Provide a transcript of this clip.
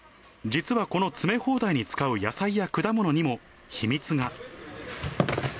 実はこの詰め放題に使う野菜や果物にも秘密が。